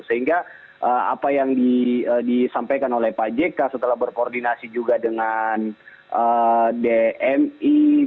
sehingga apa yang disampaikan oleh pak jk setelah berkoordinasi juga dengan dmi